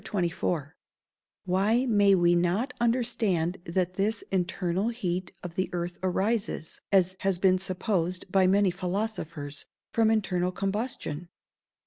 _Why may we not understand that this internal heat of the earth arises, as has been supposed by many philosophers, from internal combustion?